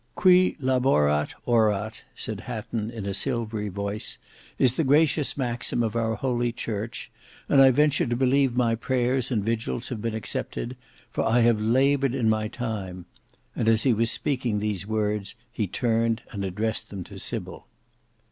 "Qui laborat, orat," said Hatton in a silvery voice, "is the gracious maxim of our Holy Church; and I venture to believe my prayers and vigils have been accepted, for I have laboured in my time," and as he was speaking these words, he turned and addressed them to Sybil.